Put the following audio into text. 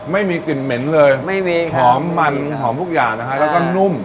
ไม่มีกลิ่นเหม็นเลยไม่มีค่ะหอมมันหอมทุกอย่างนะฮะแล้วก็นุ่ม